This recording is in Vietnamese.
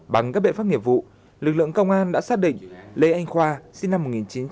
bằng các biện pháp nghiệp vụ lực lượng công an đã xác định lê anh khoa sinh năm một nghìn chín trăm tám mươi